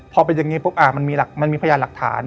พอเป็นอย่างนี้ปุ๊บมันมีพยานหลักฐาน